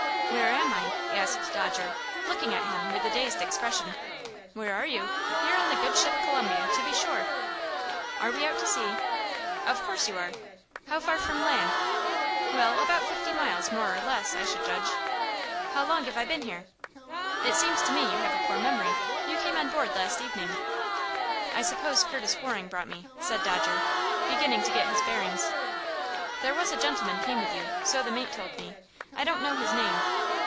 "Where am I?" asked Dodger, looking at him with a dazed expression. "Where are you? You're on the good ship Columbia, to be sure?" "Are we out to sea?" "Of course you are." "How far from land?" "Well, about fifty miles, more or less, I should judge." "How long have I been here?" "It seems to me you have a poor memory. You came on board last evening." "I suppose Curtis Waring brought me," said Dodger, beginning to get his bearings. "There was a gentleman came with you so the mate told me. I don't know his name."